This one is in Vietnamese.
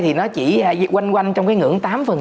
thì nó chỉ quanh quanh trong cái ngưỡng